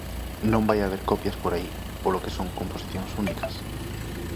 Non vai haber copias por aí, polo que son composicións únicas.